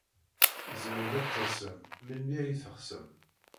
Tzemrem ad d-tasem melmi ay teɣsem.